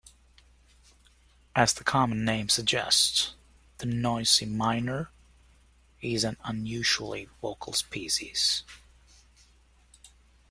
As the common name suggests, the noisy miner is an unusually vocal species.